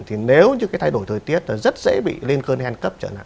thì nếu như cái thay đổi thời tiết là rất dễ bị lên cơn hen cấp trở nặng